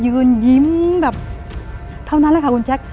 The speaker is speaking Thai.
ยืนยิ้มแบบเท่านั้นแหละค่ะคุณแจ๊ค